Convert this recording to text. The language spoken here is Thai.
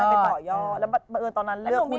ไปต่อยอดแล้วตอนนั้นเลือกหุ้นดี